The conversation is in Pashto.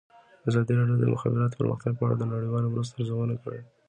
ازادي راډیو د د مخابراتو پرمختګ په اړه د نړیوالو مرستو ارزونه کړې.